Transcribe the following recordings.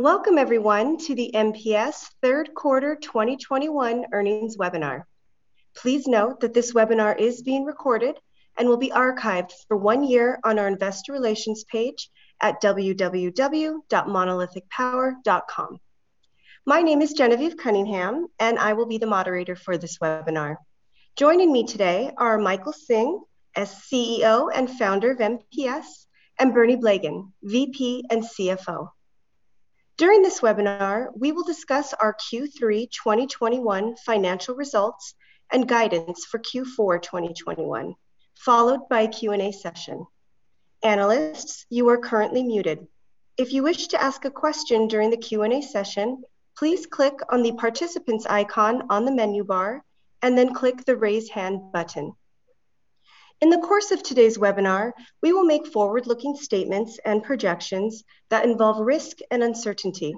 Welcome everyone to the MPS third quarter 2021 earnings webinar. Please note that this webinar is being recorded and will be archived for one year on our investor relations page at www.monolithicpower.com. My name is Genevieve Cunningham, and I will be the moderator for this webinar. Joining me today are Michael Hsing as CEO and Founder of MPS, and Bernie Blegen, VP and CFO. During this webinar, we will discuss our Q3 2021 financial results and guidance for Q4 2021, followed by a Q&A session. Analysts, you are currently muted. If you wish to ask a question during the Q&A session, please click on the participants icon on the menu bar and then click the raise hand button. In the course of today's webinar, we will make forward-looking statements and projections that involve risk and uncertainty,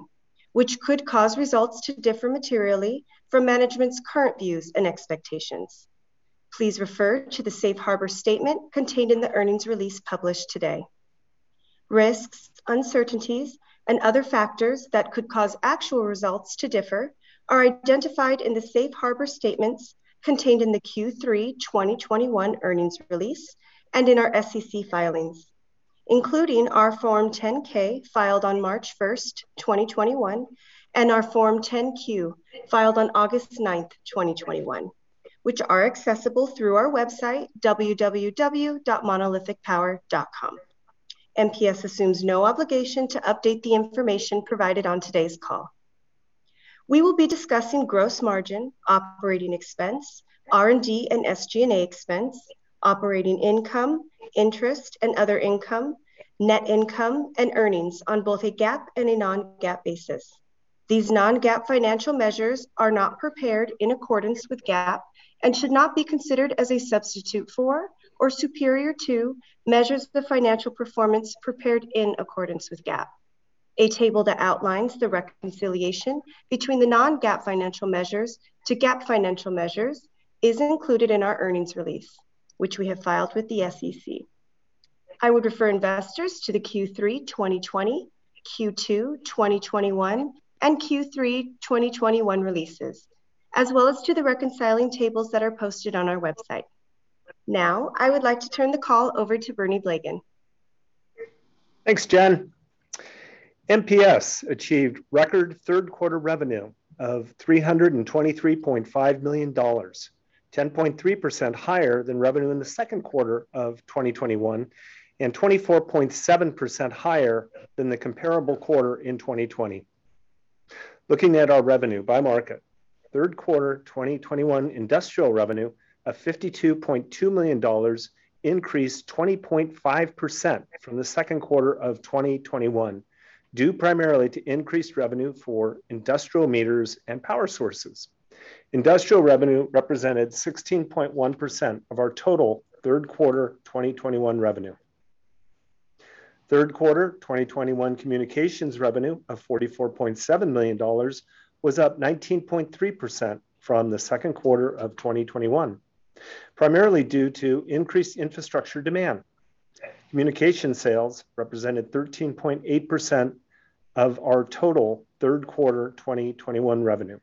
which could cause results to differ materially from management's current views and expectations. Please refer to the safe harbor statement contained in the earnings release published today. Risks, uncertainties, and other factors that could cause actual results to differ are identified in the safe harbor statements contained in the Q3 2021 earnings release and in our SEC filings, including our Form 10-K filed on March 1st, 2021, and our Form 10-Q filed on August 9th, 2021, which are accessible through our website, www.monolithicpower.com. MPS assumes no obligation to update the information provided on today's call. We will be discussing gross margin, operating expense, R&D, and SG&A expense, operating income, interest and other income, net income, and earnings on both a GAAP and a non-GAAP basis. These non-GAAP financial measures are not prepared in accordance with GAAP and should not be considered as a substitute for or superior to measures of the financial performance prepared in accordance with GAAP. A table that outlines the reconciliation between the non-GAAP financial measures to GAAP financial measures is included in our earnings release, which we have filed with the SEC. I would refer investors to the Q3 2020, Q2 2021, and Q3 2021 releases, as well as to the reconciling tables that are posted on our website. Now, I would like to turn the call over to Bernie Blegen. Thanks, Gen. MPS achieved record third quarter revenue of $323.5 million, 10.3% higher than revenue in the second quarter of 2021, and 24.7% higher than the comparable quarter in 2020. Looking at our revenue by market, third quarter 2021 industrial revenue of $52.2 million increased 20.5% from the second quarter of 2021, due primarily to increased revenue for industrial meters and power sources. Industrial revenue represented 16.1% of our total third quarter 2021 revenue. Third quarter 2021 communications revenue of $44.7 million was up 19.3% from the second quarter of 2021, primarily due to increased infrastructure demand. Communication sales represented 13.8% of our total third quarter 2021 revenue.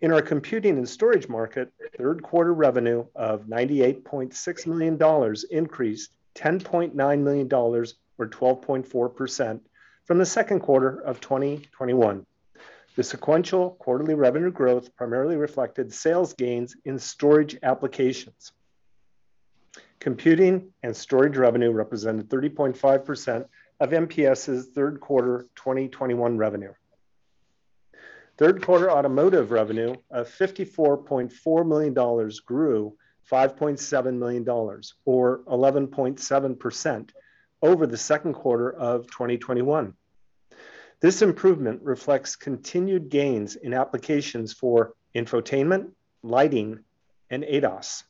In our computing and storage market, third quarter revenue of $98.6 million increased $10.9 million, or 12.4%, from the second quarter of 2021. The sequential quarterly revenue growth primarily reflected sales gains in storage applications. Computing and storage revenue represented 30.5% of MPS's third quarter 2021 revenue. Third quarter automotive revenue of $54.4 million grew $5.7 million, or 11.7%, over the second quarter of 2021. This improvement reflects continued gains in applications for infotainment, lighting, and ADAS.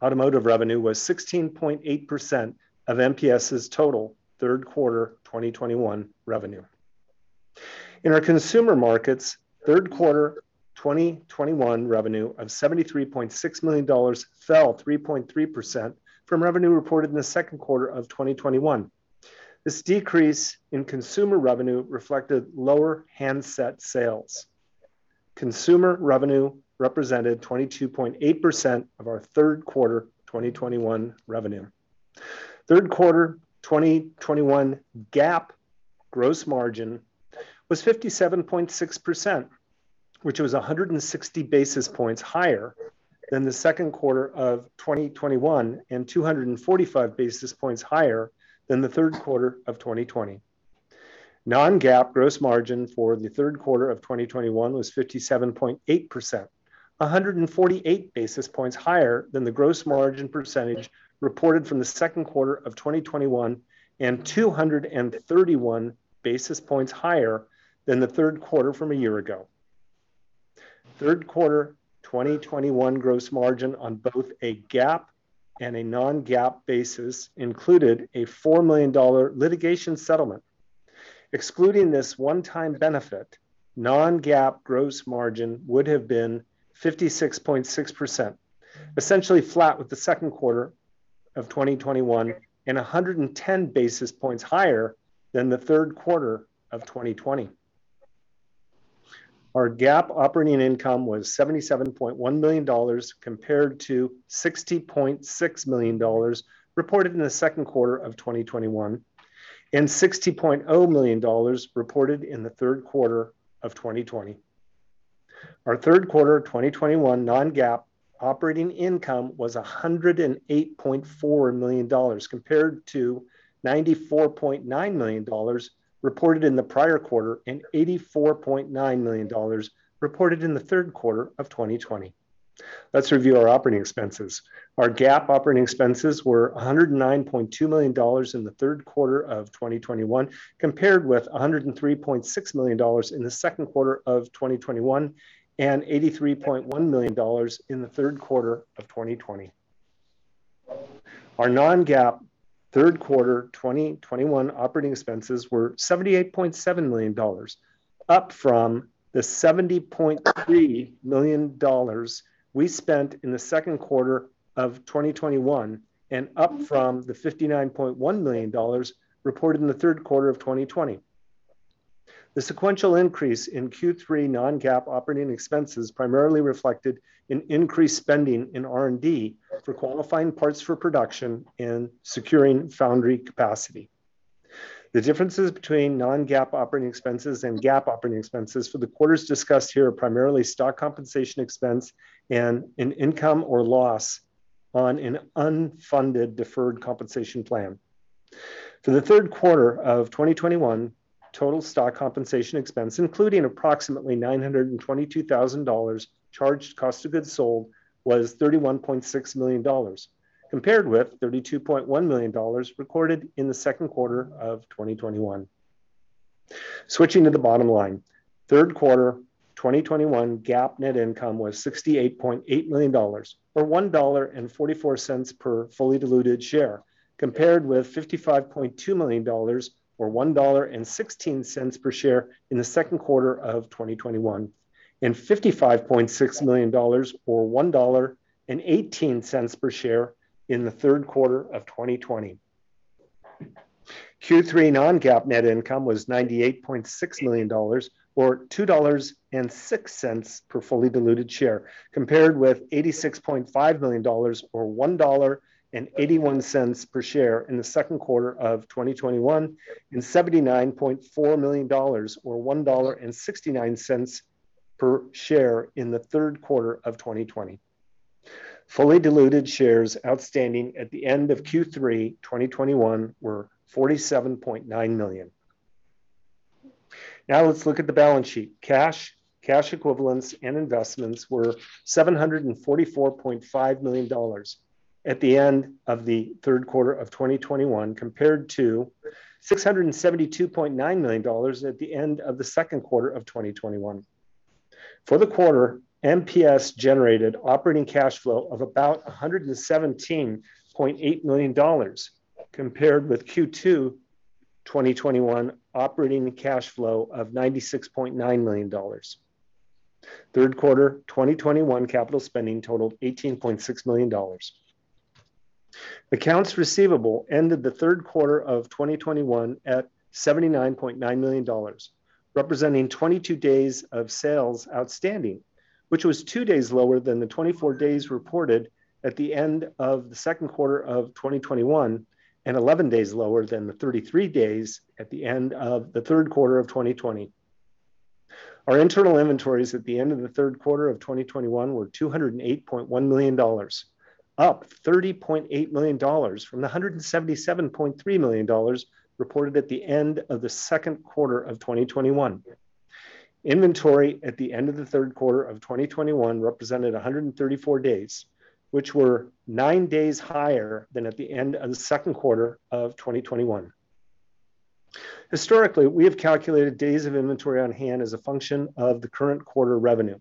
Automotive revenue was 16.8% of MPS's total third quarter 2021 revenue. In our consumer markets, third quarter 2021 revenue of $73.6 million fell 3.3% from revenue reported in the second quarter of 2021. This decrease in consumer revenue reflected lower handset sales. Consumer revenue represented 22.8% of our third quarter 2021 revenue. Third quarter 2021 GAAP gross margin was 57.6%, which was 160 basis points higher than the second quarter of 2021 and 245 basis points higher than the third quarter of 2020. Non-GAAP gross margin for the third quarter of 2021 was 57.8%, 148 basis points higher than the gross margin percentage reported from the second quarter of 2021 and 231 basis points higher than the third quarter from a year ago. Third quarter 2021 gross margin on both a GAAP and a non-GAAP basis included a $4 million litigation settlement. Excluding this one-time benefit, non-GAAP gross margin would have been 56.6%, essentially flat with the second quarter of 2021, and 110 basis points higher than the third quarter of 2020. Our GAAP operating income was $77.1 million compared to $60.6 million reported in the second quarter of 2021, and $60.0 million reported in the third quarter of 2020. Our third quarter of 2021 non-GAAP operating income was $108.4 million compared to $94.9 million reported in the prior quarter, and $84.9 million reported in the third quarter of 2020. Let's review our operating expenses. Our GAAP operating expenses were $109.2 million in the third quarter of 2021, compared with $103.6 million in the second quarter of 2021, and $83.1 million in the third quarter of 2020. Our non-GAAP third quarter 2021 operating expenses were $78.7 million, up from the $70.3 million we spent in the second quarter of 2021, and up from the $59.1 million reported in the third quarter of 2020. The sequential increase in Q3 non-GAAP operating expenses primarily reflected an increased spending in R&D for qualifying parts for production and securing foundry capacity. The differences between non-GAAP operating expenses and GAAP operating expenses for the quarters discussed here are primarily stock compensation expense and an income or loss on an unfunded deferred compensation plan. For the third quarter of 2021, total stock compensation expense, including approximately $922,000 charged cost of goods sold, was $31.6 million, compared with $32.1 million recorded in the second quarter of 2021. Switching to the bottom line, third quarter 2021 GAAP net income was $68.8 million, or $1.44 per fully diluted share, compared with $55.2 million, or $1.16 per share in the second quarter of 2021, and $55.6 million, or $1.18 per share in the third quarter of 2020. Q3 non-GAAP net income was $98.6 million, or $2.06 per fully diluted share, compared with $86.5 million, or $1.81 per share in the second quarter of 2021, and $79.4 million, or $1.69 per share in the third quarter of 2020. Fully diluted shares outstanding at the end of Q3 2021 were 47.9 million. Now let's look at the balance sheet. Cash, cash equivalents, and investments were $744.5 million at the end of the third quarter of 2021, compared to $672.9 million at the end of the second quarter of 2021. For the quarter, MPS generated operating cash flow of about $117.8 million, compared with Q2 2021 operating cash flow of $96.9 million. Third quarter 2021 capital spending totaled $18.6 million. Accounts receivable ended the third quarter of 2021 at $79.9 million, representing 22 days of sales outstanding, which was two days lower than the 24 days reported at the end of the second quarter of 2021, and 11 days lower than the 33 days at the end of the third quarter of 2020. Our internal inventories at the end of the third quarter of 2021 were $208.1 million, up $30.8 million from the $177.3 million reported at the end of the second quarter of 2021. Inventory at the end of the third quarter of 2021 represented 134 days, which were nine days higher than at the end of the second quarter of 2021. Historically, we have calculated days of inventory on hand as a function of the current quarter revenue.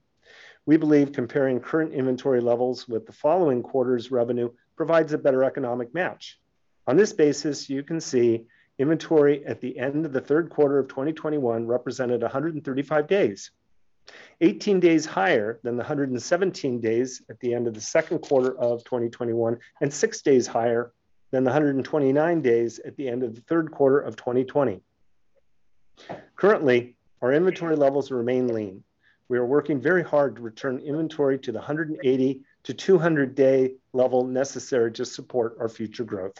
We believe comparing current inventory levels with the following quarter's revenue provides a better economic match. On this basis, you can see inventory at the end of the third quarter of 2021 represented 135 days, 18 days higher than the 117 days at the end of the second quarter of 2021, and six days higher than the 129 days at the end of the third quarter of 2020. Currently, our inventory levels remain lean. We are working very hard to return inventory to the 180-200-day level necessary to support our future growth.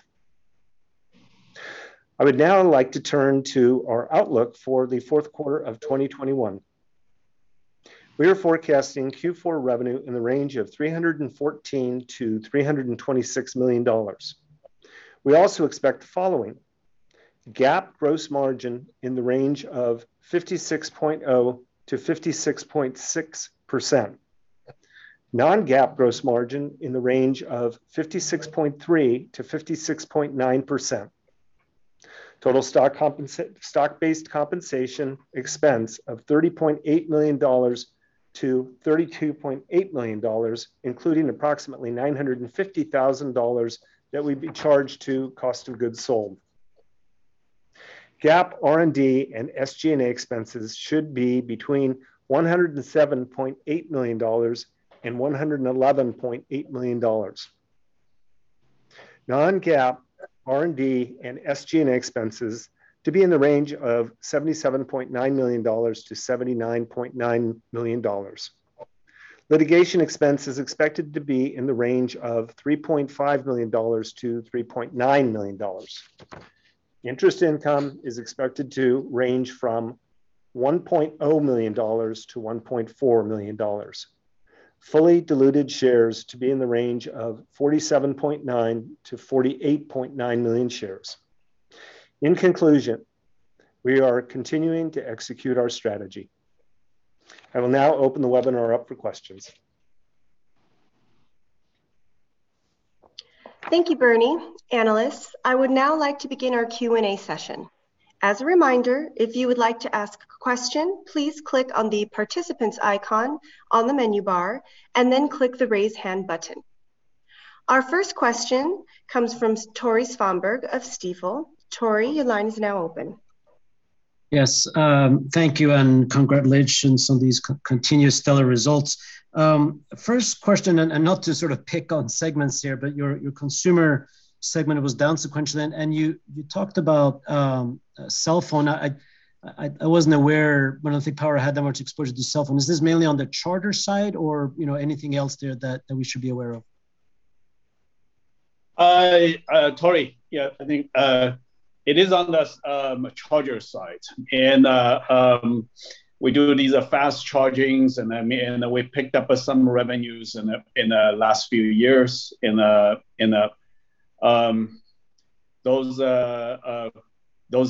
I would now like to turn to our outlook for the fourth quarter of 2021. We are forecasting Q4 revenue in the range of $314 million-$326 million. We also expect the following. GAAP gross margin in the range of 56.0%-56.6%. Non-GAAP gross margin in the range of 56.3%-56.9%. Total stock-based compensation expense of $30.8 million-$32.8 million, including approximately $950,000 that will be charged to cost of goods sold. GAAP, R&D, and SG&A expenses should be between $107.8 million and $111.8 million. Non-GAAP, R&D, and SG&A expenses to be in the range of $77.9 million-$79.9 million. Litigation expense is expected to be in the range of $3.5 million-$3.9 million. Interest income is expected to range from $1.0 million-$1.4 million. Fully diluted shares to be in the range of 47.9 million-48.9 million shares. In conclusion, we are continuing to execute our strategy. I will now open the webinar up for questions. Thank you, Bernie. Analysts, I would now like to begin our Q&A session. As a reminder, if you would like to ask a question, please click on the participants icon on the menu bar, and then click the Raise Hand button. Our first question comes from Tore Svanberg of Stifel. Tore, your line is now open. Yes. Thank you and congratulations on these continuous stellar results. First question, not to sort of pick on segments here, but your Consumer segment was down sequentially, and you talked about cell phone. I wasn't aware Monolithic Power had that much exposure to cell phone. Is this mainly on the charger side or anything else there that we should be aware of? Tore, yeah, I think it is on the charger side. We do these fast chargings, I mean, and we've picked up some revenues in the last few years in those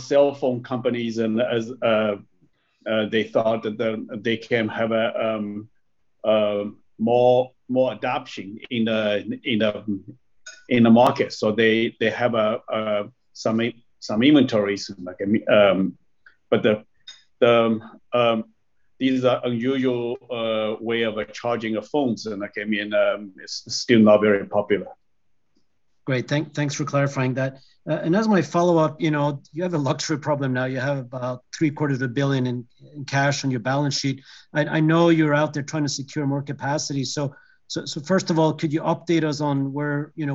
cell phone companies and as they thought that they can have a more adoption in the market. They have some inventories, like. This is unusual way of charging your phones and, I mean, it's still not very popular. Great. Thanks for clarifying that. As my follow-up, you know, you have a luxury problem now. You have about three quarters of a billion in cash on your balance sheet. I know you're out there trying to secure more capacity. So first of all, could you update us on where you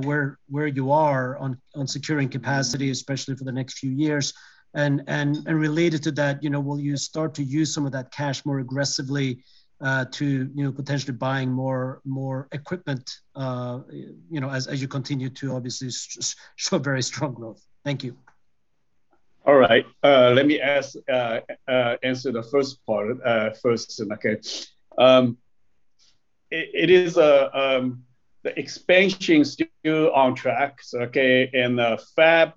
are on securing capacity, especially for the next few years? Related to that, you know, will you start to use some of that cash more aggressively to potentially buying more equipment as you continue to obviously show very strong growth? Thank you. All right. Let me answer the first part first, okay. It is the expansion still on track, okay. Fab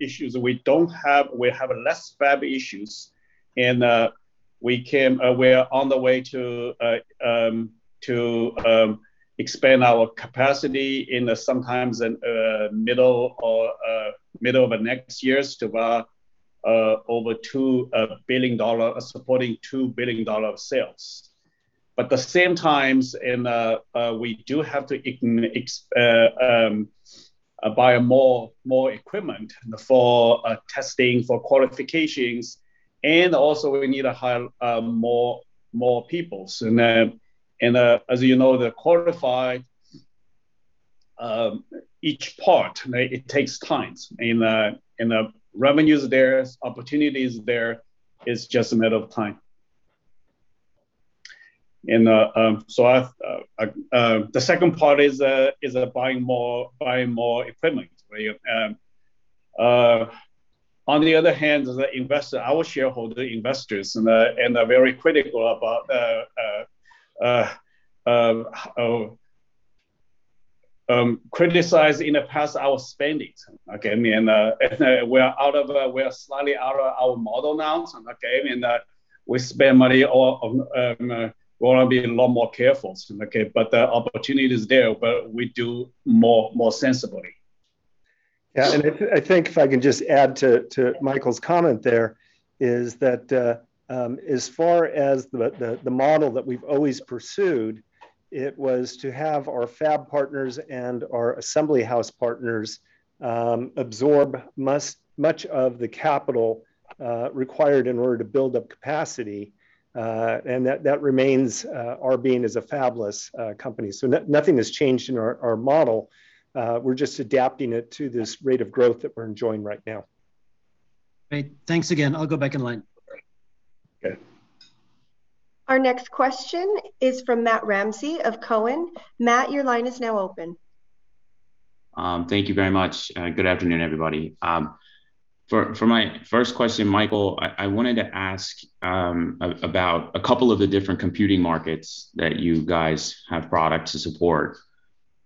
issues, we have less fab issues. We can. We're on the way to expand our capacity in some time in middle of next year to over $2 billion, supporting $2 billion sales. But at the same time, we do have to buy more equipment for testing, for qualifications, and also we need to hire more people. So now, as you know, the qualification of each part may take time. The revenues there, opportunities there, it's just a matter of time. The second part is buying more equipment. On the other hand, as investors, our shareholder investors are very critical about criticizing our spending in the past, okay. I mean, we are slightly out of our model now, okay, and we wanna be a lot more careful, okay. The opportunity is there, but we do more sensibly. Yeah. I think if I can just add to Michael's comment there, is that as far as the model that we've always pursued, it was to have our fab partners and our assembly house partners absorb much of the capital required in order to build up capacity, and that remains our being as a fabless company. Nothing has changed in our model. We're just adapting it to this rate of growth that we're enjoying right now. Great. Thanks again. I'll go back in line. Okay. Our next question is from Matt Ramsay of Cowen. Matt, your line is now open. Thank you very much. Good afternoon, everybody. For my first question, Michael, I wanted to ask about a couple of the different computing markets that you guys have products to support.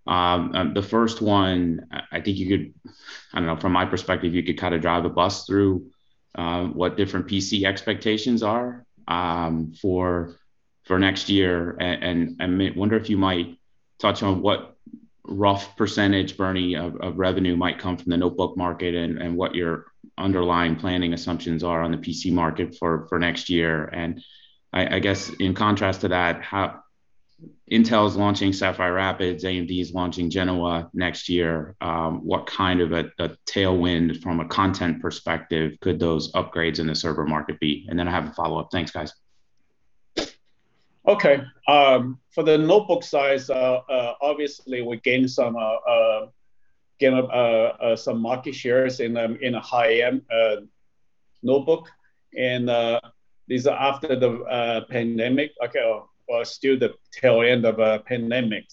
The first one, I think you could, I don't know, from my perspective, you could kind of drive a bus through what different PC expectations are for next year. I might wonder if you might touch on what rough percentage, Bernie, of revenue might come from the notebook market and what your underlying planning assumptions are on the PC market for next year. I guess in contrast to that, how Intel is launching Sapphire Rapids, AMD is launching Genoa next year. What kind of a tailwind from a content perspective could those upgrades in the server market be? I have a follow-up. Thanks, guys. Okay. For the notebook size, obviously we gained some market shares in a high-end notebook and these are after the pandemic, like, or still the tail end of a pandemic.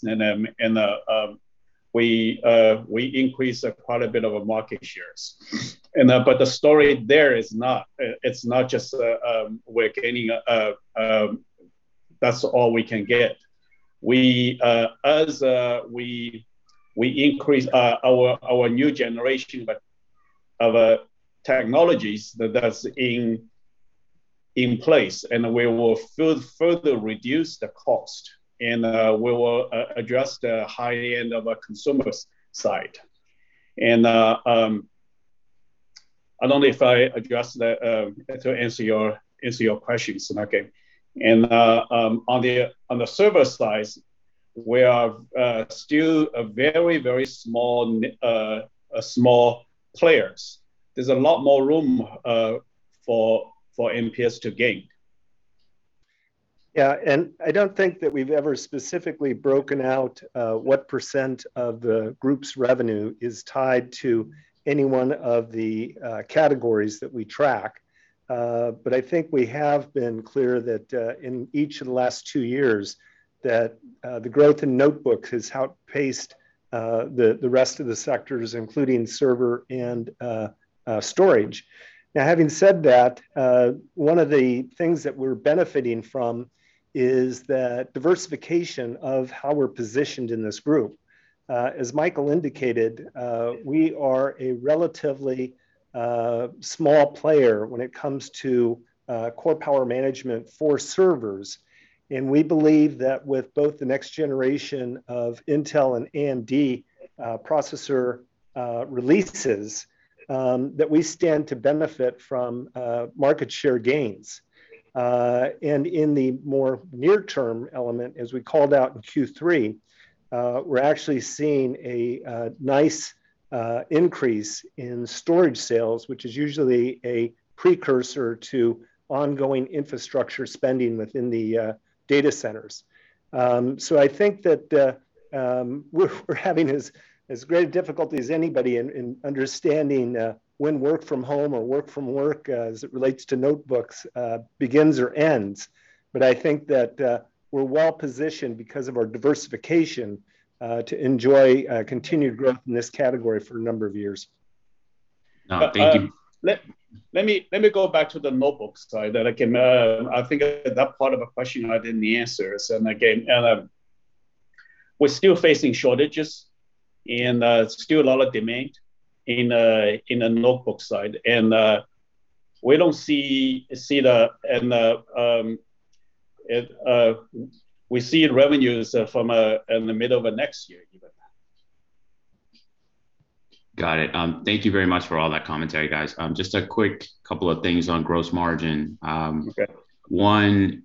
We increased quite a bit of a market shares. The story there is not, it's not just we're gaining, that's all we can get. We, as we increase our new generation of technologies that's in place and we will further reduce the cost and we will address the high end of a consumer's side. I don't know if I addressed that to answer your questions. Okay. On the server side, we are still a very small players. There's a lot more room for MPS to gain. Yeah. I don't think that we've ever specifically broken out what percent of the group's revenue is tied to any one of the categories that we track. I think we have been clear that in each of the last two years the growth in notebooks has outpaced the rest of the sectors, including server and storage. Now having said that, one of the things that we're benefiting from is that diversification of how we're positioned in this group. As Michael indicated, we are a relatively small player when it comes to core power management for servers, and we believe that with both the next generation of Intel and AMD processor releases that we stand to benefit from market share gains. In the more near-term element, as we called out in Q3, we're actually seeing a nice increase in storage sales, which is usually a precursor to ongoing infrastructure spending within the data centers. I think that we're having as great a difficulty as anybody in understanding when work from home or work from work, as it relates to notebooks, begins or ends. I think that we're well positioned because of our diversification to enjoy continued growth in this category for a number of years. Thank you. Let me go back to the notebooks side. I think that part of a question I didn't answer. Again, we're still facing shortages and still a lot of demand in the notebook side. We don't see the end and we see revenues in the middle of next year even. Got it. Thank you very much for all that commentary, guys. Just a quick couple of things on gross margin. Okay. One,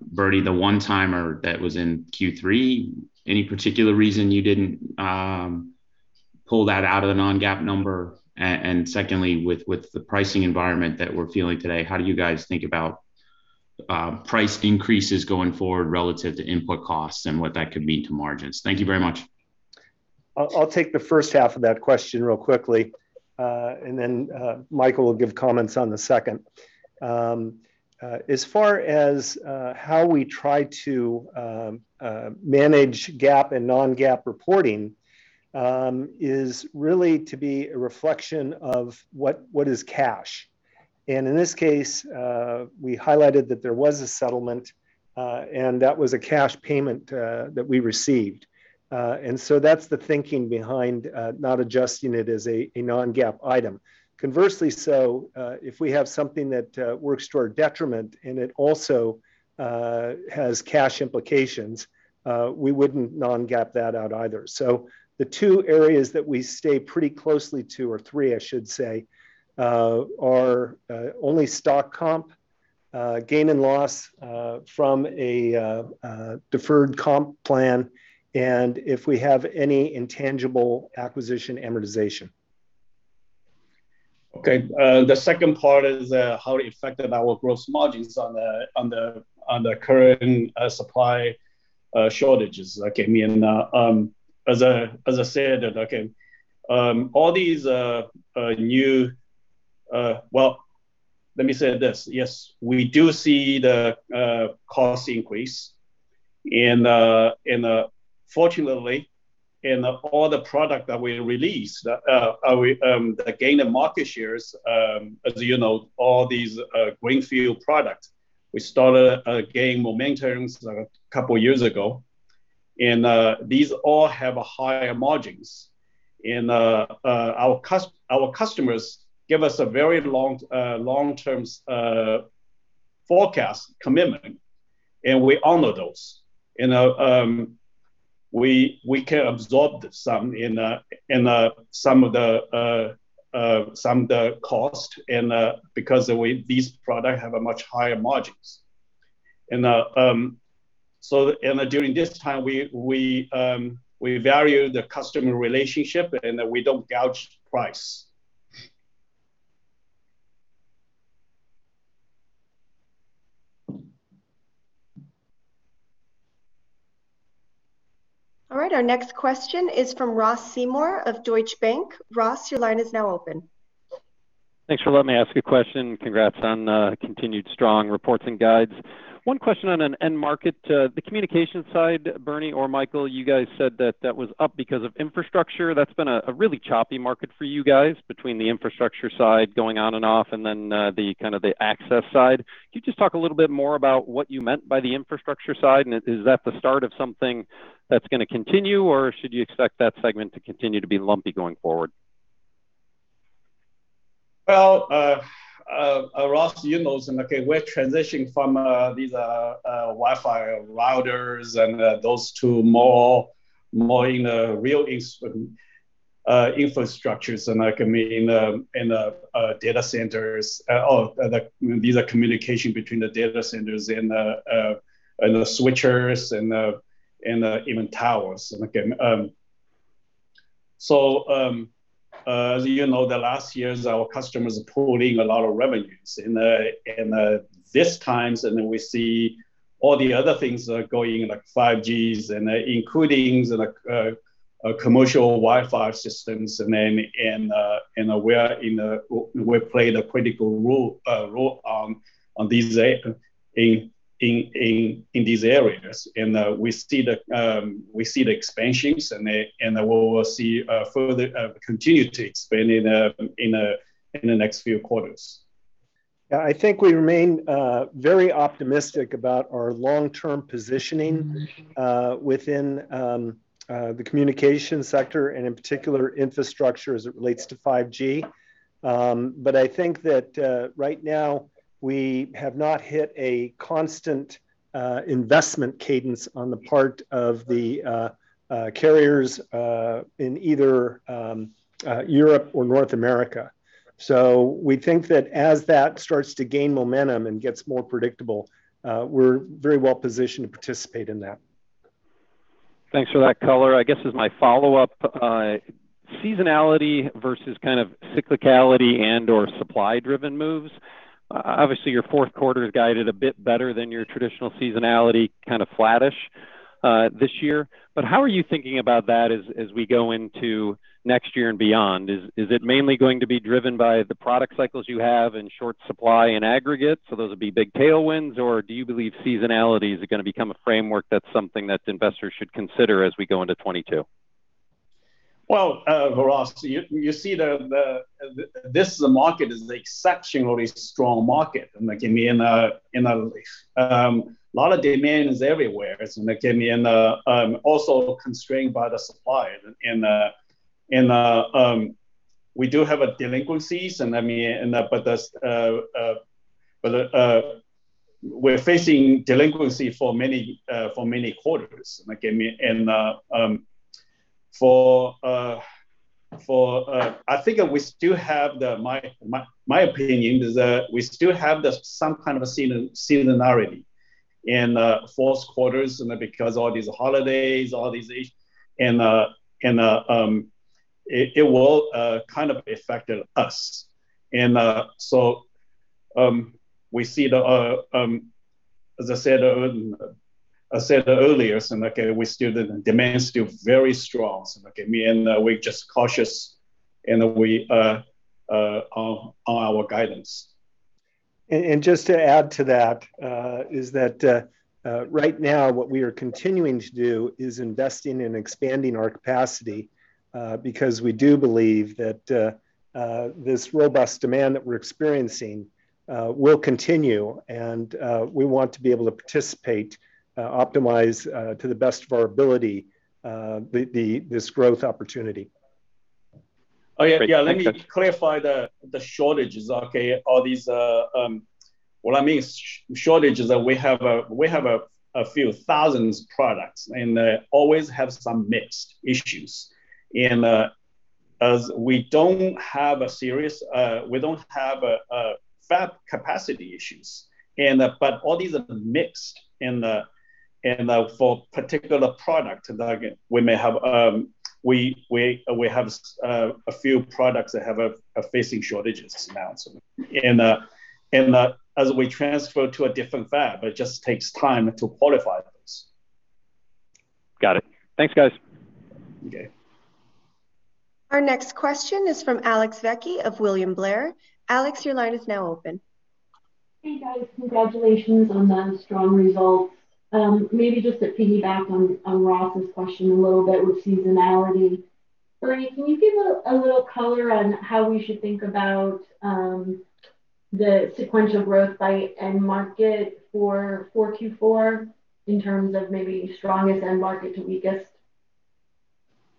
Bernie, the one-timer that was in Q3, any particular reason you didn't pull that out of the non-GAAP number? Secondly, with the pricing environment that we're feeling today, how do you guys think about price increases going forward relative to input costs and what that could mean to margins? Thank you very much. I'll take the first half of that question real quickly, and then Michael will give comments on the second. As far as how we try to manage GAAP and non-GAAP reporting is really to be a reflection of what is cash. In this case, we highlighted that there was a settlement, and that was a cash payment that we received. That's the thinking behind not adjusting it as a non-GAAP item. Conversely, if we have something that works to our detriment and it also has cash implications, we wouldn't non-GAAP that out either. The two areas that we stay pretty closely to, or three I should say, are only stock comp, gain and loss from a deferred comp plan, and if we have any intangible acquisition amortization. Okay. The second part is how it affected our gross margins on the current supply shortages. Okay. As I said, well, let me say this. Yes, we do see the cost increase and fortunately in all the products that we release, we are gaining market share, as you know, all these greenfield products we started gaining momentum a couple years ago and these all have higher margins and our customers give us a very long-term forecast commitment, and we honor those. We can absorb some of the cost because the way these products have much higher margins. During this time we value the customer relationship and that we don't gouge price. All right, our next question is from Ross Seymore of Deutsche Bank. Ross, your line is now open. Thanks for letting me ask a question. Congrats on continued strong reports and guides. One question on an end market. The communication side, Bernie or Michael, you guys said that that was up because of infrastructure. That's been a really choppy market for you guys between the infrastructure side going on and off and then the kind of the access side. Can you just talk a little bit more about what you meant by the infrastructure side, and is that the start of something that's gonna continue, or should you expect that segment to continue to be lumpy going forward? Ross, you know, okay, we're transitioning from these Wi-Fi routers and those to more in real infrastructures and like, I mean, in data centers or these are communication between the data centers and the switches and even towers. You know, the last years our customers are pulling a lot of revenues in these times and then we see all the other things are going like 5G and including like commercial Wi-Fi systems and we play the critical role on these in these areas. We see the expansions and we'll see further continue to expand in the next few quarters. Yeah, I think we remain very optimistic about our long-term positioning within the communication sector and in particular infrastructure as it relates to 5G. I think that right now we have not hit a constant investment cadence on the part of the carriers in either Europe or North America. We think that as that starts to gain momentum and gets more predictable, we're very well positioned to participate in that. Thanks for that color. I guess as my follow-up, seasonality versus kind of cyclicality and/or supply-driven moves, obviously your fourth quarter has guided a bit better than your traditional seasonality, kind of flattish, this year. How are you thinking about that as we go into next year and beyond? Is it mainly going to be driven by the product cycles you have in short supply and aggregate, so those will be big tailwinds, or do you believe seasonality is gonna become a framework that's something that investors should consider as we go into 2022? Ross, you see this market is exceptionally strong market and again, a lot of demand is everywhere. It's again also constrained by the supply and we do have a delinquencies and I mean, but that's, we're facing delinquency for many quarters. Like, I mean, I think my opinion is that we still have some kind of a seasonality in fourth quarters and because all these holidays, all these issues and it will kind of affected us. We see, as I said earlier, like the demand is still very strong. Like, I mean, we're just cautious and on our guidance. Just to add to that, right now what we are continuing to do is investing in expanding our capacity, because we do believe that this robust demand that we're experiencing will continue and we want to be able to participate, optimize, to the best of our ability, this growth opportunity. Oh, yeah. Yeah. Let me clarify the shortages, okay. All these, what I mean by shortages are we have a few thousand products and always have some mixed issues. As we don't have a serious fab capacity issue, but all these are mixed and for a particular product that we may have, we have a few products that are facing shortages now. As we transfer to a different fab, it just takes time to qualify those. Got it. Thanks, guys. Okay. Our next question is from Alex Vecchi of William Blair. Alex, your line is now open. Hey, guys. Congratulations on the strong results. Maybe just to piggyback on Ross's question a little bit with seasonality. Bernie, can you give a little color on how we should think about the sequential growth by end market for Q4 in terms of maybe strongest end market to weakest?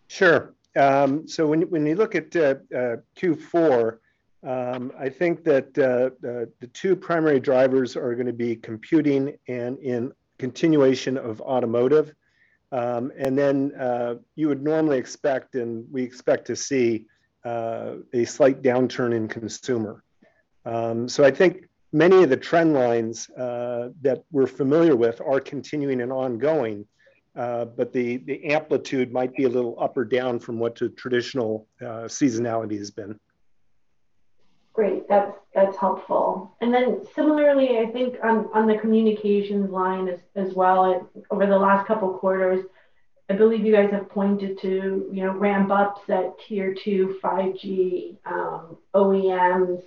Sure. When you look at Q4, I think that the two primary drivers are gonna be computing and in continuation of automotive. You would normally expect, and we expect to see, a slight downturn in consumer. I think many of the trend lines that we're familiar with are continuing and ongoing, but the amplitude might be a little up or down from what the traditional seasonality has been. Great. That's helpful. Similarly, I think on the communications line as well, over the last couple of quarters, I believe you guys have pointed to, you know, ramp-ups at Tier 2 5G OEMs.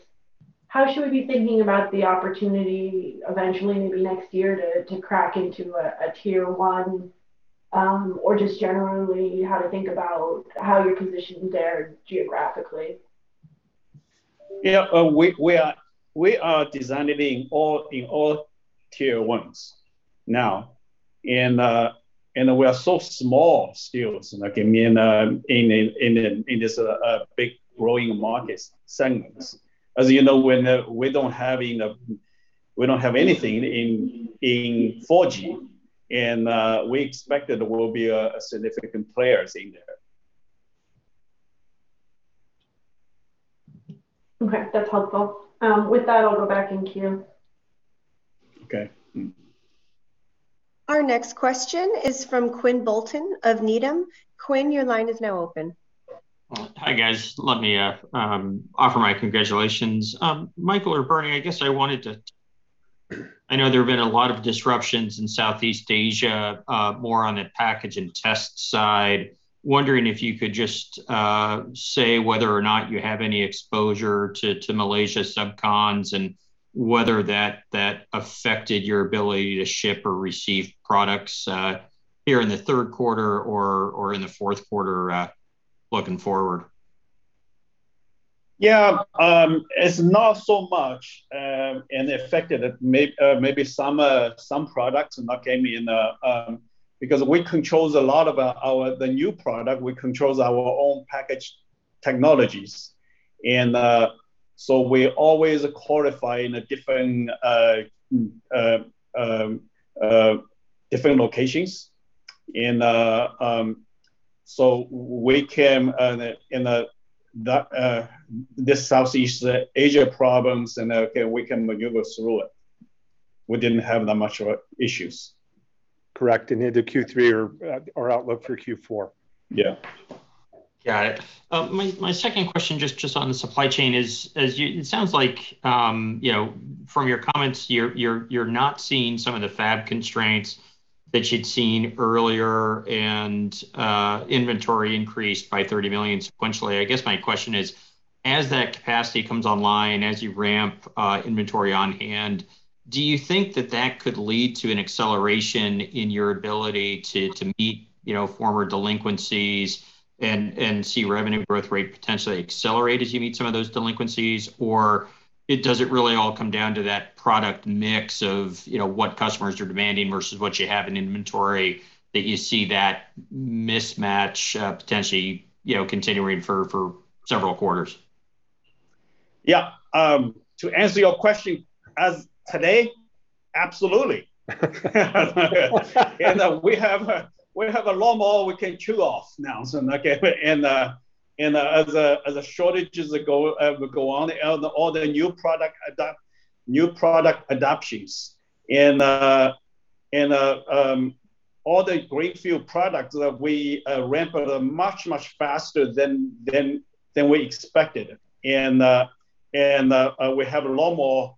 How should we be thinking about the opportunity eventually, maybe next year, to crack into a Tier 1, or just generally how to think about how your position there geographically? Yeah, we are designing in all Tier 1s now, and we are so small still, so like, I mean, in this big growing market segments. As you know, when we don't have enough, we don't have anything in 4G, and we expect that we'll be a significant player in there. Okay. That's helpful. With that, I'll go back in queue. Okay. Our next question is from Quinn Bolton of Needham. Quinn, your line is now open. Hi, guys. Let me offer my congratulations. Michael or Bernie, I know there have been a lot of disruptions in Southeast Asia, more on the package and test side. Wondering if you could just say whether or not you have any exposure to Malaysia subcons and whether that affected your ability to ship or receive products here in the third quarter or in the fourth quarter looking forward. Yeah. It's not so much affected, maybe some products, and that can be in the. Because we controls a lot of our own new product. We controls our own package technologies. We always qualify in different locations. We can maneuver through the Southeast Asia problems, okay. We didn't have that much of issues. Correct, in either Q3 or outlook for Q4. Yeah. Got it. My second question just on the supply chain is. It sounds like, you know, from your comments, you're not seeing some of the fab constraints that you'd seen earlier and inventory increased by $30 million sequentially. I guess my question is, as that capacity comes online, as you ramp inventory on hand, do you think that that could lead to an acceleration in your ability to meet, you know, former delinquencies and see revenue growth rate potentially accelerate as you meet some of those delinquencies? Or it doesn't really all come down to that product mix of, you know, what customers are demanding versus what you have in inventory, that you see that mismatch potentially, you know, continuing for several quarters? Yeah. To answer your question, as of today, absolutely. We have a lot more we can chew off now, okay. As the shortages go on, all the new product adoptions and all the greenfield products that we ramped up much faster than we expected. We have a lot more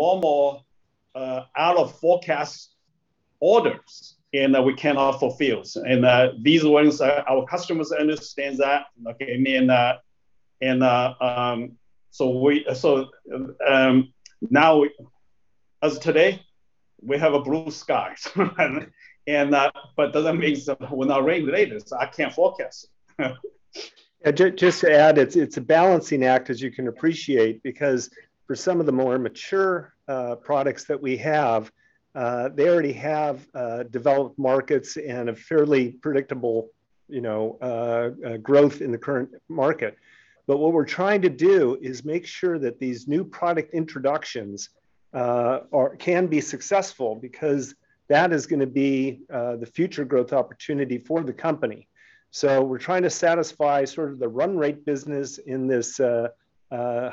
out of forecast orders that we cannot fulfill. These ones, our customers understand that, okay, I mean, now, as of today, we have blue skies. But it doesn't mean it will not rain later, so I can't forecast. Just to add, it's a balancing act as you can appreciate, because for some of the more mature products that we have, they already have developed markets and a fairly predictable, you know, growth in the current market. What we're trying to do is make sure that these new product introductions can be successful because that is gonna be the future growth opportunity for the company. We're trying to satisfy sort of the run rate business in this period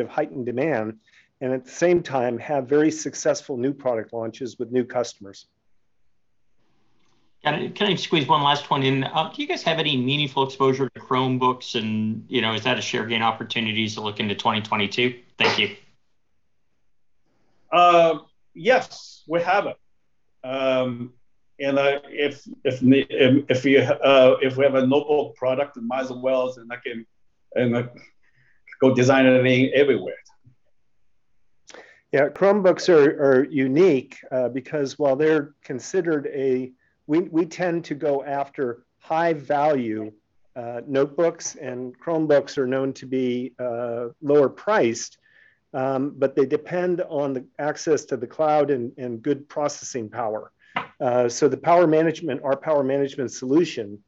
of heightened demand, and at the same time have very successful new product launches with new customers. Can I squeeze one last one in? Do you guys have any meaningful exposure to Chromebooks and, you know, is that a share gain opportunities to look into 2022? Thank you. Yes, we have it. If we have a notebook product, might as well go design it in everywhere. Yeah. Chromebooks are unique. We tend to go after high value notebooks and Chromebooks are known to be lower priced, but they depend on the access to the cloud and good processing power. The power management, our power management solution,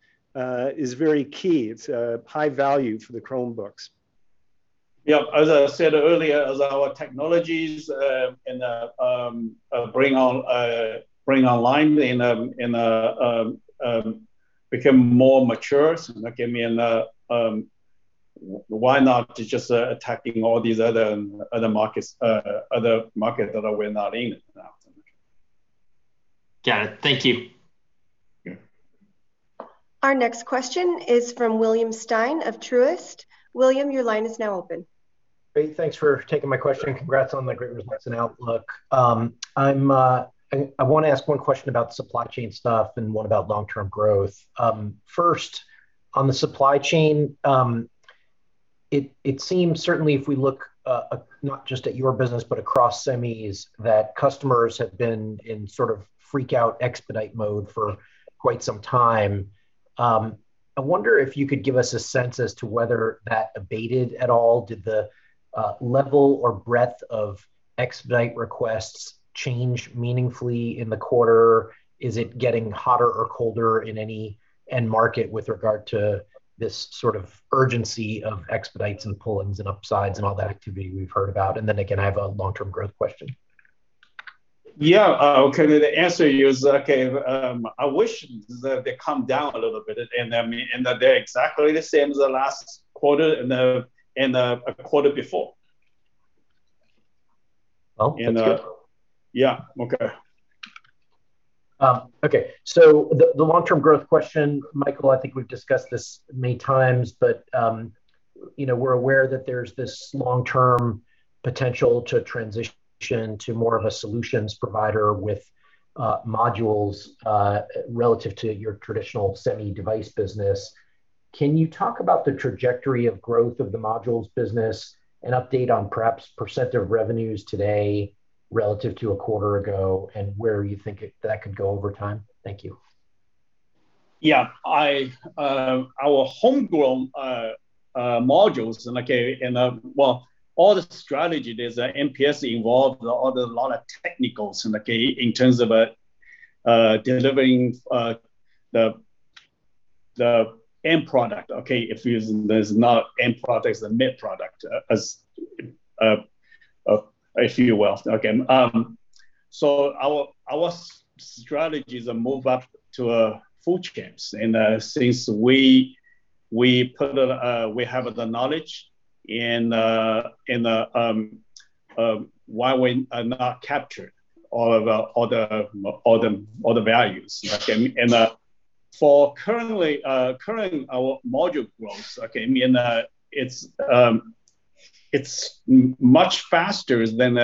is very key. It's high value for the Chromebooks. Yeah. As I said earlier, as our technologies and bring online become more mature, okay, I mean, why not just attacking all these other markets that we're not in now? Got it. Thank you. Yeah. Our next question is from William Stein of Truist. William, your line is now open. Great. Thanks for taking my question. Congrats on the great results and outlook. I want to ask one question about the supply chain stuff and one about long-term growth. First, on the supply chain, it seems certainly if we look, not just at your business, but across semis, that customers have been in sort of freak out expedite mode for quite some time. I wonder if you could give us a sense as to whether that abated at all. Did the level or breadth of expedite requests change meaningfully in the quarter? Is it getting hotter or colder in any end market with regard to this sort of urgency of expedites and pull-ins and upsides and all that activity we've heard about? Again, I have a long-term growth question. I wish that they come down a little bit and, I mean, and that they're exactly the same as the last quarter and quarter before. Well, that's good. Yeah. Okay. The long-term growth question, Michael, I think we've discussed this many times, but you know, we're aware that there's this long-term potential to transition to more of a solutions provider with modules relative to your traditional semi device business. Can you talk about the trajectory of growth of the modules business and update on perhaps percent of revenues today relative to a quarter ago, and where you think that could go over time? Thank you. Yeah. Our homegrown modules and, okay, and well, all the strategy there's MPS involved, or a lot of technicals, okay, in terms of delivering the end product, okay? If there's not end product, the mid product, as if you will. Okay. Our strategy is move up to food chains. Since we have the knowledge and why we are not capture all of the values, okay? Currently our module growth, okay, I mean, it's much faster than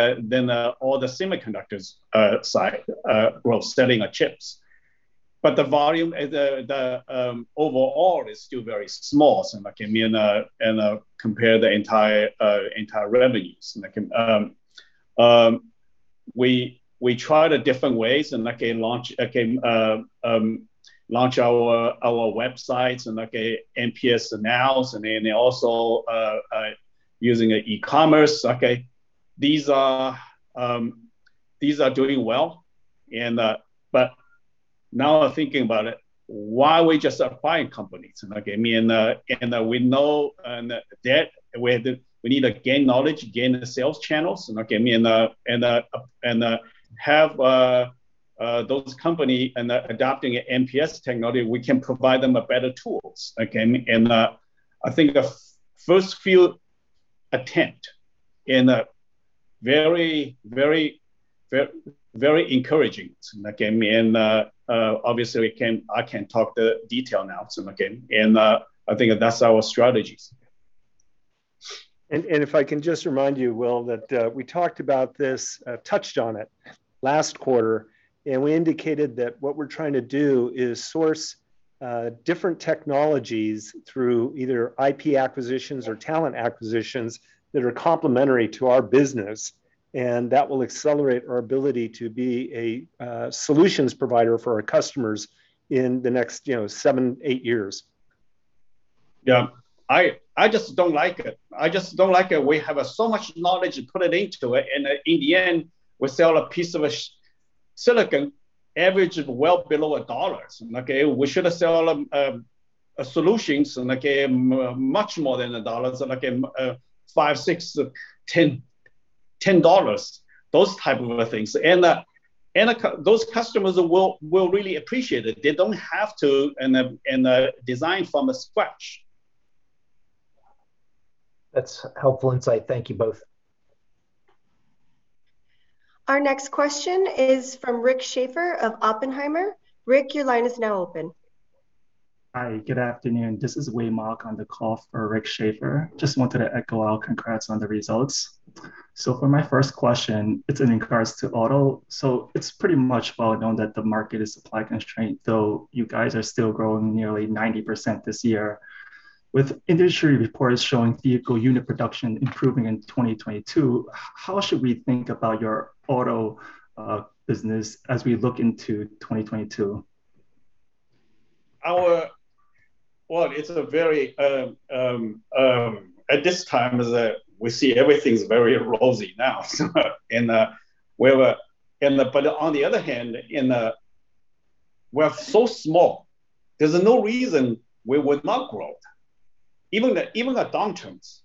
all the semiconductors side growth selling our chips. The volume, the overall is still very small, so like, I mean, compare the entire revenues. We tried different ways and like launch our websites and like MPS analysis and also using e-commerce, okay? These are doing well, but now thinking about it, why we just acquiring companies? Okay. I mean, we know that we need to gain knowledge, gain the sales channels, okay, I mean, have those companies adopting MPS technology, we can provide them a better tools, okay? I think the first few attempts and very encouraging, okay? Obviously, I can talk in detail now. Okay. I think that's our strategies. If I can just remind you, Will, that we talked about this, touched on it last quarter, and we indicated that what we're trying to do is source different technologies through either IP acquisitions or talent acquisitions that are complementary to our business, and that will accelerate our ability to be a solutions provider for our customers in the next, you know, seven, eight years. Yeah. I just don't like it. We have so much knowledge to put it into it, and in the end, we sell a piece of silicon average of well below $1, okay? We should sell solutions and much more than $1 and $5, $6 to $10, those type of things. Those customers will really appreciate it. They don't have to design from scratch. That's helpful insight. Thank you both. Our next question is from Rick Schafer of Oppenheimer. Rick, your line is now open. Hi, good afternoon. This is Wei Mok on the call for Rick Schafer. Just wanted to echo out congrats on the results. For my first question, it's in regards to auto. It's pretty much well known that the market is supply constrained, though you guys are still growing nearly 90% this year. With industry reports showing vehicle unit production improving in 2022, how should we think about your auto business as we look into 2022? Well, it's very at this time is that we see everything's very rosy now. On the other hand, we're so small, there's no reason we would not grow. Even the downturns.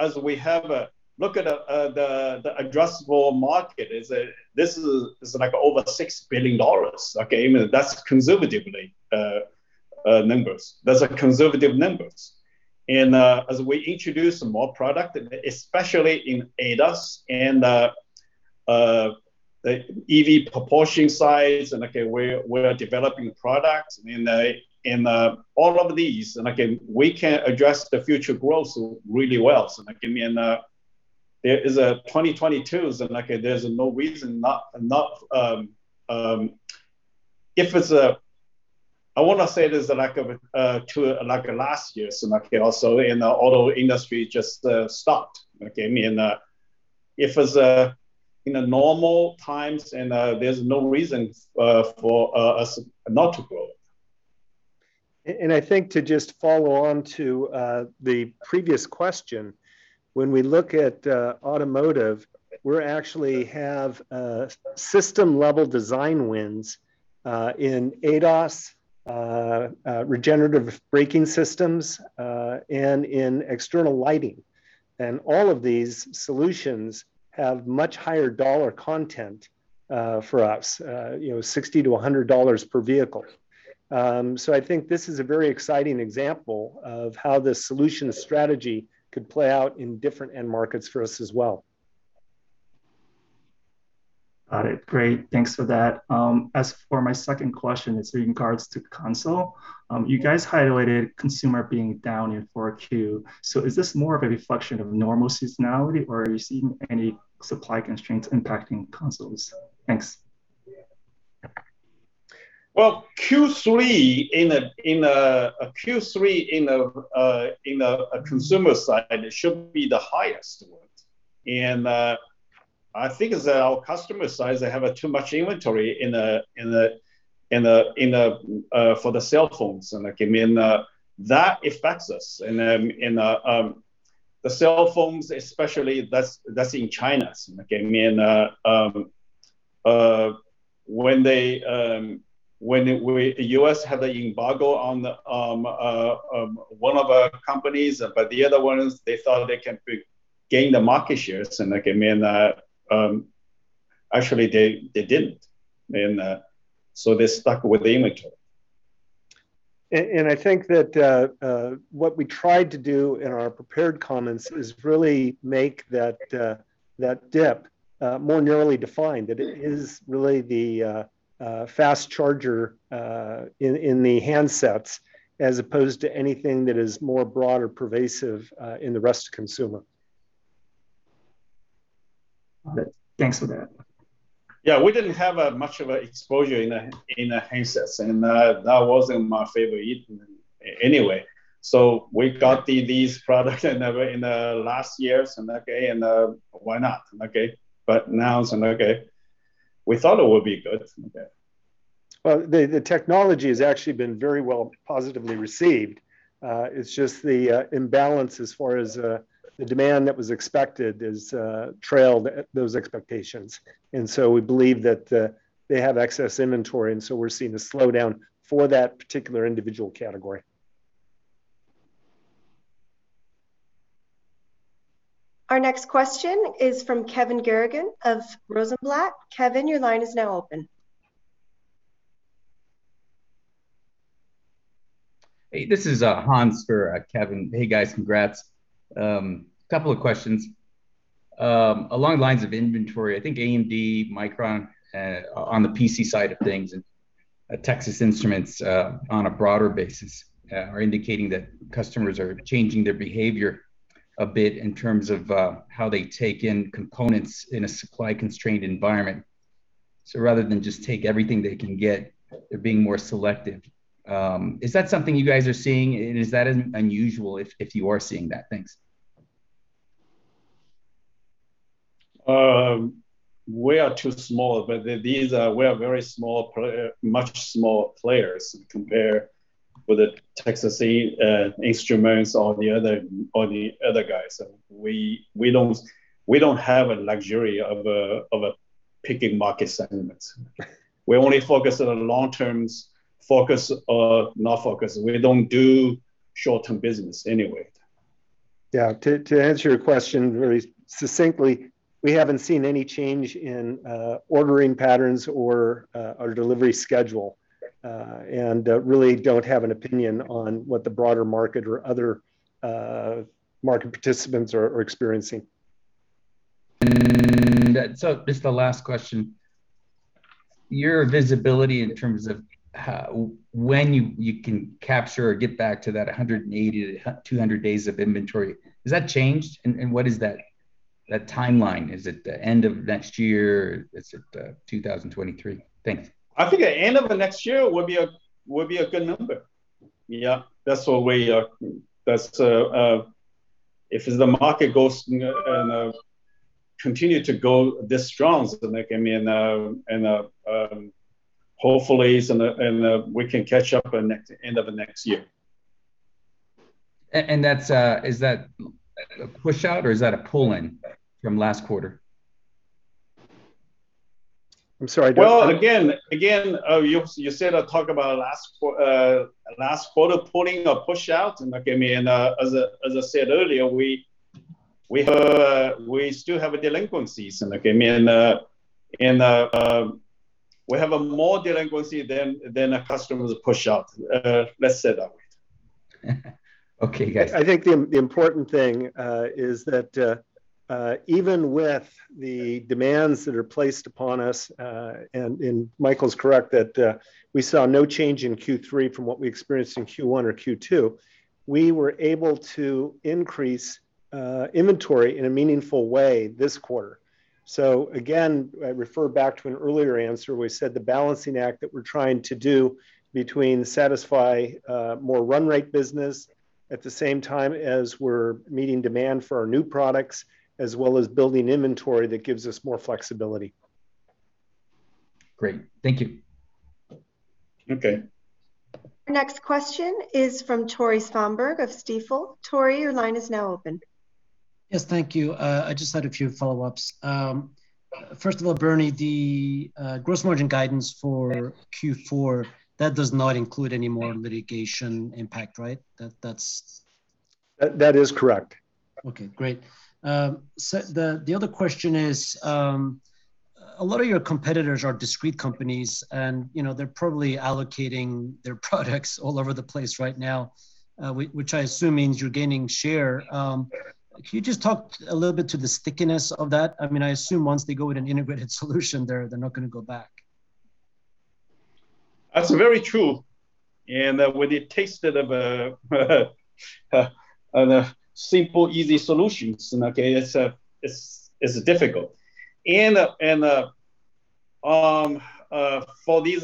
As we have a look at the addressable market is that this is, like, over $6 billion, okay? Even that's conservative numbers. That's, like, conservative numbers. As we introduce more product, especially in ADAS and the EV proportion size, okay, we're developing products in all of these. We can address the future growth really well. Like, I mean, there is 2022 is, like, there's no reason not. I wanna say there's a lack of to like last year, so like also in the auto industry just stopped, okay? I mean, if it's in normal times and there's no reason for us not to grow. I think to just follow on to the previous question, when we look at automotive, we're actually having system-level design wins in ADAS, regenerative braking systems, and in external lighting. All of these solutions have much higher dollar content for us, you know, $60-$100 per vehicle. I think this is a very exciting example of how the solution strategy could play out in different end markets for us as well. Got it. Great. Thanks for that. As for my second question is in regards to console. You guys highlighted consumer being down in 4Q. Is this more of a reflection of normal seasonality, or are you seeing any supply constraints impacting consoles? Thanks. Well, Q3 in a consumer side, it should be the highest. I think it's our customer sides, they have too much inventory in for the cell phones, and that can mean that affects us. The cell phones especially, that's in China, okay? The U.S. had the embargo on the one of our companies, but the other ones, they thought they can gain the market shares, and like, I mean, actually, they didn't. They're stuck with the inventory. I think that what we tried to do in our prepared comments is really make that dip more narrowly defined. That it is really the fast charger in the handsets as opposed to anything that is more broad or pervasive in the rest of consumer. Got it. Thanks for that. Yeah, we didn't have much of an exposure in the handsets, and that wasn't my favorite item anyway. We got these products in last year, okay, and why not? Okay. Now, okay. We thought it would be good. Okay. Well, the technology has actually been very well positively received. It's just the imbalance as far as the demand that was expected has trailed those expectations. We believe that they have excess inventory, and we're seeing a slowdown for that particular individual category. Our next question is from Kevin Garrigan of Rosenblatt. Kevin, your line is now open. Hey, this is Hans for Kevin. Hey, guys. Congrats. Couple of questions. Along the lines of inventory, I think AMD, Micron, on the PC side of things, and Texas Instruments, on a broader basis, are indicating that customers are changing their behavior a bit in terms of how they take in components in a supply-constrained environment. Rather than just take everything they can get, they're being more selective. Is that something you guys are seeing, and is that unusual if you are seeing that? Thanks. We are too small. These, we are very small, much smaller players compared with the Texas Instruments or the other guys. We don't have a luxury of picking market segments. We only focus on long-term focus. We don't do short-term business anyway. Yeah. To answer your question very succinctly, we haven't seen any change in ordering patterns or our delivery schedule. We really don't have an opinion on what the broader market or other market participants are experiencing. Just the last question. Your visibility in terms of when you can capture or get back to that 180-200 days of inventory, has that changed, and what is that? That timeline, is it the end of next year? Is it 2023? Thanks. I think the end of the next year would be a good number. Yeah, if the market goes, you know, and continue to go this strong, like, I mean, and hopefully it's, and we can catch up by end of the next year. That's, is that a push out or is that a pull in from last quarter? I'm sorry, I don't- Well, again, you said talk about last quarter pull-in or push-out, and like, I mean, and as I said earlier, we still have delinquencies, and like, I mean, and we have more delinquencies than customer push-out. Let's say that way. Okay, guys. I think the important thing is that, even with the demands that are placed upon us, and Michael's correct that, we saw no change in Q3 from what we experienced in Q1 or Q2, we were able to increase inventory in a meaningful way this quarter. Again, I refer back to an earlier answer. We said the balancing act that we're trying to do between satisfying more run rate business at the same time as we're meeting demand for our new products as well as building inventory that gives us more flexibility. Great. Thank you. Okay. Next question is from Tore Svanberg of Stifel. Tore, your line is now open. Yes, thank you. I just had a few follow-ups. First of all, Bernie, the gross margin guidance for Q4, that does not include any more litigation impact, right? That, that's... That is correct. Okay, great. The other question is, a lot of your competitors are discrete companies and, you know, they're probably allocating their products all over the place right now, which I assume means you're gaining share. Can you just talk a little bit to the stickiness of that? I mean, I assume once they go with an integrated solution there, they're not gonna go back. That's very true, and when they tested a simple, easy solution, okay, it's difficult. For these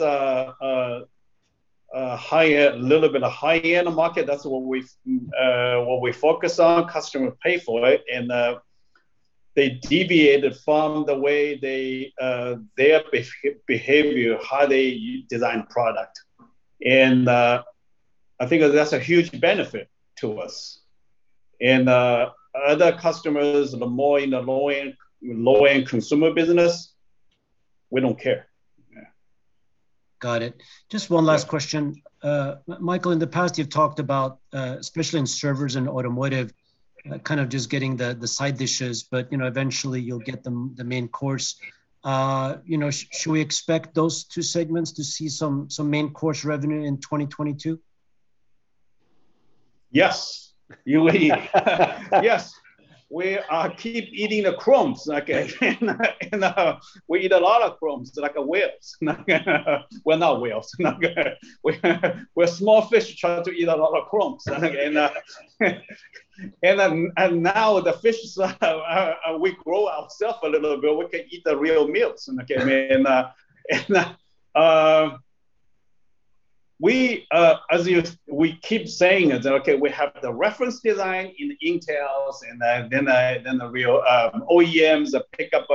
higher little bit of high-end market, that's what we focus on. Customers pay for it, and they deviated from the way they, their behavior, how they design products. I think that's a huge benefit to us. Other customers, the more in the low-end consumer business, we don't care. Yeah. Got it. Just one last question. Michael, in the past, you've talked about, especially in servers and automotive, kind of just getting the side dishes, but you know, eventually you'll get the main course. You know, should we expect those two segments to see some main course revenue in 2022? Yes. You will. Yes. We keep eating the crumbs, okay? We eat a lot of crumbs like whales. Well, not whales. We're small fish trying to eat a lot of crumbs. Now the fish is, we grow ourselves a little bit, we can eat the real meals. Okay, I mean, as you we keep saying is that, okay, we have the reference design in Intel's, and then the real OEMs they pick up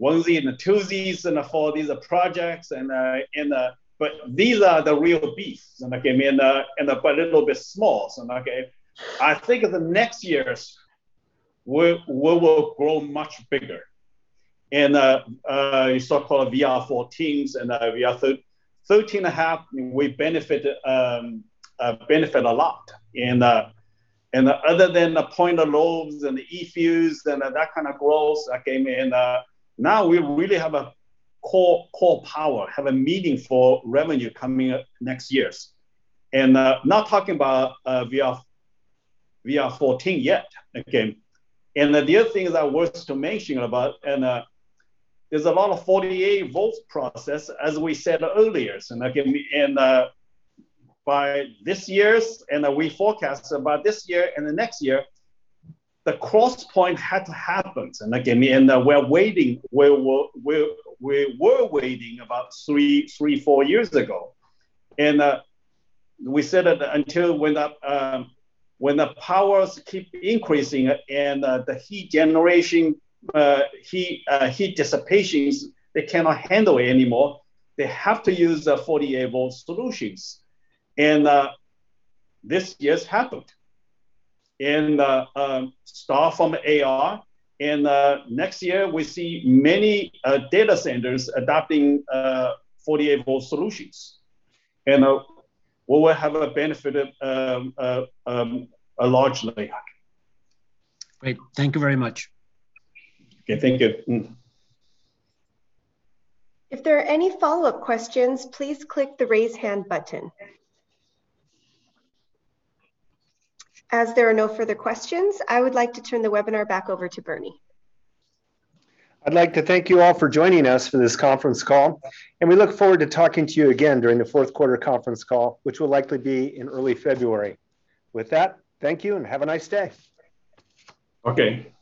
onesies and twosies for these projects, but these are the real beasts and like, I mean, but little bit small, so okay. I think in the next years, we will grow much bigger. You saw core VR14S and VR 13.5, we benefit a lot. Other than the points of load and E-Fuse and that kind of growth, okay, I mean, now we really have a core power, have a meaningful revenue coming up next years. Not talking about VR14 yet, okay? The other thing that's worth mentioning about is a lot of 48-volt process, as we said earlier, so now give me. By this year, we forecast about this year and the next year, the cross point had to happen. Like I mean, we were waiting about three, four years ago. We said until the powers keep increasing and the heat generation, heat dissipations, they cannot handle it anymore, they have to use the 48-volt solutions. This just happened. Start from AR, next year we see many data centers adopting 48-volt solutions. We will have a benefit of a large layout. Great. Thank you very much. Okay, thank you. If there are any follow-up questions, please click the Raise Hand button. As there are no further questions, I would like to turn the webinar back over to Bernie. I'd like to thank you all for joining us for this conference call, and we look forward to talking to you again during the fourth quarter conference call, which will likely be in early February. With that, thank you and have a nice day. Okay.